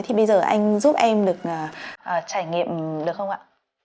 thì bây giờ anh giúp em được trải nghiệm được không ạ